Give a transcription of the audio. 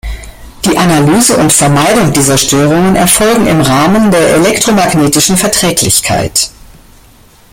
Die Analyse und Vermeidung dieser Störungen erfolgen im Rahmen der elektromagnetischen Verträglichkeit.